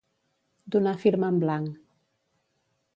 Donar firma en blanc.